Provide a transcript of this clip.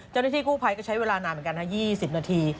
เจ้าหน้าที่กู้ภัยก็ใช้เวลานานเหมือนกัน๒๐นาที